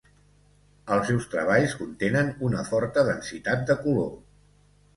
Els seus treballs contenen una forta densitat de color.